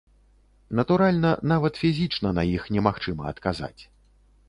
Натуральна, нават фізічна на іх немагчыма адказаць.